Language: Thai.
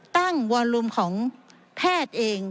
วอลลูมของแพทย์เอง